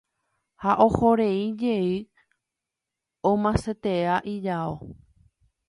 Ha ohorei jey omasetea ijao.